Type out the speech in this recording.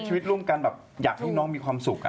ชีวิตร่วมกันแบบอยากให้น้องมีความสุข